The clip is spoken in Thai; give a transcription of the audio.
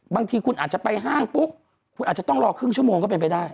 บางทีคุณอาจจะไปห้างปุ๊บคุณอาจจะต้องรอครึ่งชั่วโมงก็เป็นไปได้